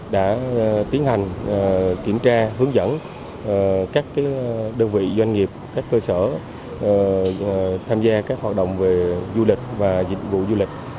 đã tiến hành kiểm tra hướng dẫn các đơn vị doanh nghiệp các cơ sở tham gia các hoạt động về du lịch và dịch vụ du lịch